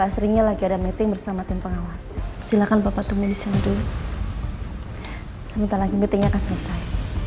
silahkan bapak temuin saya disini dulu sebentar lagi ditingnya akan selesai